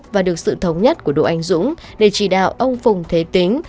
và được sự thống nhất của đỗ anh dũng để chỉ đạo ông phùng thế tính